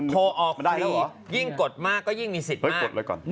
โทรออกทียิ่งกดมากก็มีสิทธิ์มาก